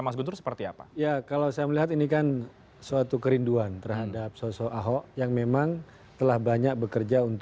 mungkin beliau akan bekerja